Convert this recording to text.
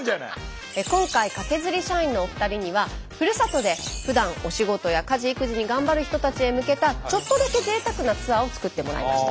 今回カケズリ社員のお二人にはふるさとでふだんお仕事や家事育児にがんばる人たちへ向けたちょっとだけ贅沢なツアーを作ってもらいました。